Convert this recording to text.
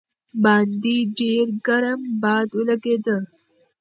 باندې ډېر ګرم باد لګېده.